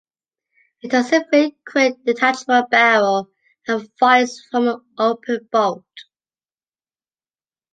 It has a finned, quick-detachable barrel and fires from an open bolt.